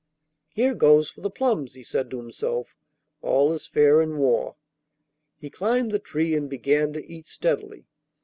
'Here goes for the plums,' he said to himself, 'all is fair in war.' He climbed the tree and began to eat steadily.